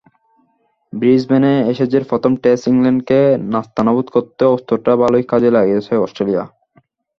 ব্রিসবেনে অ্যাশেজের প্রথম টেস্টে ইংল্যান্ডকে নাস্তানাবুদ করতেও অস্ত্রটা ভালোই কাজে লাগিয়েছে অস্ট্রেলিয়া।